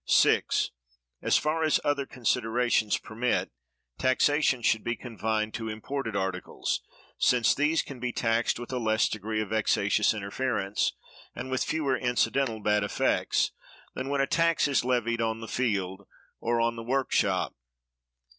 6. As far as other considerations permit, taxation should be confined to imported articles, since these can be taxed with a less degree of vexatious interference, and with fewer incidental bad effects, than when a tax is levied on the field or on the workshop.